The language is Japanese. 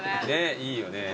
いいよね。